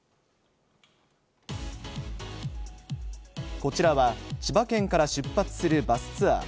こちらは千葉県から出発するバスツアー。